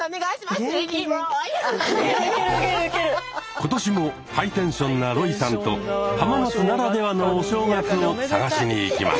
今年もハイテンションなロイさんと浜松ならではのお正月を探しに行きます。